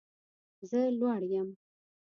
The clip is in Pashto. زه لوړ یم